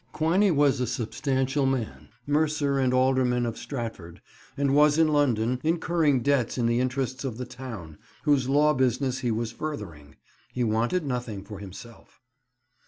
Quiney was a substantial man, mercer and alderman of Stratford, and was in London, incurring debts in the interests of the town, whose law business he was furthering. He wanted nothing for himself.